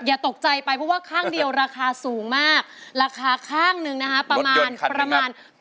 อย่าตกใจไปเพราะว่าข้างเดียวราคาสูงมากราคาข้างหนึ่งนะคะประมาณประมาณ